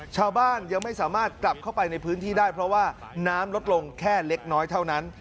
ชาวบ้านยังไม่สามารถกลับเข้าไปในพื้นที่ได้เพราะว่าน้ำลดลงแค่เล็กน้อยเท่านั้น